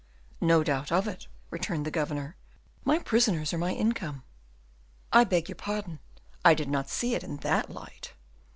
"No doubt of it," returned the governor, "my prisoners are my income." "I beg your pardon, I did not see it in that light."